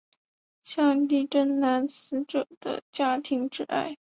向地震男死者的家庭致哀。